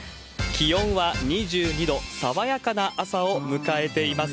気温は２２度、爽やかな朝を迎えています。